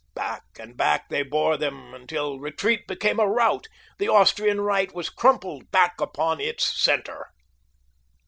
Back and back they bore them until retreat became a rout. The Austrian right was crumpled back upon its center!